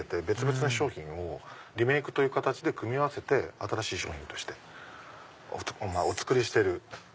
別々の商品をリメイクという形で組み合わせて新しい商品としてお作りしてる。